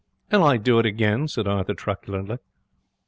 'And I'd do it again,' said Arthur, truculently.